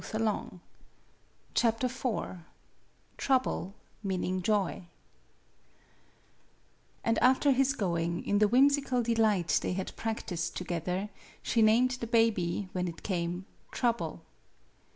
12 MADAME BUTTERFLY IV TROUBLE MEANING JOY AND after his going, in the whimsical delight they had practised together, she named the baby, when it came, Trouble.